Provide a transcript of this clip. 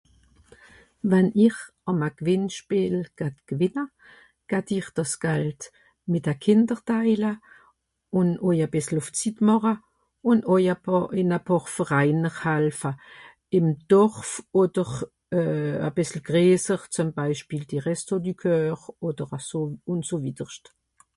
wann ir am'a gwìnnspiel gewìnna g'hatt ir dàss Gald mìt'e Kìnder taile ùn äw a bìssle ùff d'sit màche ùn äw a pààr ìn a pààr veraine halfe ìm Dorf oder euh a bissle greesser zum Beispiel die Resto du Coeur oder a sò ùn so wiederscht